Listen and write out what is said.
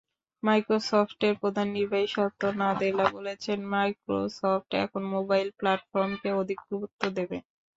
মাইক্রোসফটের প্রধান নির্বাহী সত্য নাদেলা বলেছেন, মাইক্রোসফট এখন মোবাইল প্ল্যাটফর্মকে অধিক গুরুত্ব দেবে।